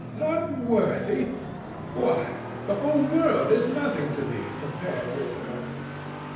Not worthy! Why, the whole world is nothing to me compared with her."